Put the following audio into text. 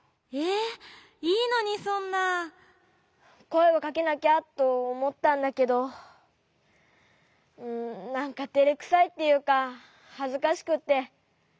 こえをかけなきゃとおもったんだけどなんかてれくさいっていうかはずかしくって。